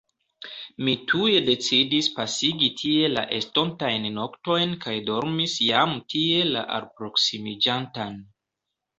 Mi tuj decidis pasigi tie la estontajn noktojn kaj dormis jam tie la alproksimiĝantan.